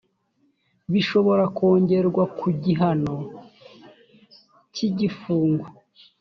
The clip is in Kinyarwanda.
bishobora kongerwa ku gihano cy igifungo